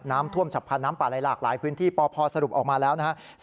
น้ำท่วมฉับพันธ์น้ำป่าไหลหลากหลายพื้นที่ปพสรุปออกมาแล้วนะครับ